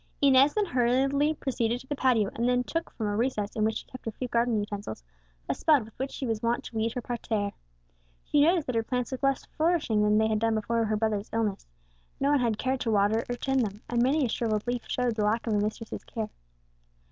Inez then hurriedly proceeded to the patio, and took, from a recess in which she kept her few garden utensils, a spud with which she was wont to weed her parterre. She noticed that her plants looked less flourishing than they had done before her brother's illness; no one had cared to water or tend them, and many a shrivelled leaf showed the lack of a mistress's care.